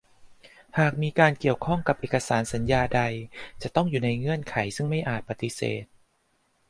หากมีการเกี่ยวข้องกับเอกสารสัญญาใดจะต้องอยู่ในเงื่อนไขซึ่งไม่อาจปฏิเสธ